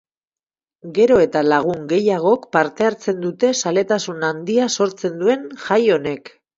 Gero eta lagun gehiagok parte hartzen dute zaletasun handia sortzen duen jai honek.